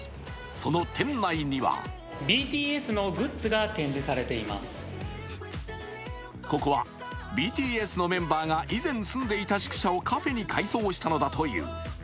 その店内にはここはＢＴＳのメンバーが以前住んでいた宿舎をカフェに改装したのだという。